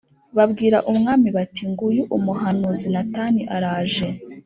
Babwira umwami bati “Nguyu umuhanuzi Natani araje.”